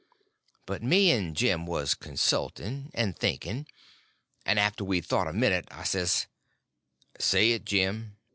But me and Jim was consulting—and thinking. And after we'd thought a minute, I says: "Say it, Jim."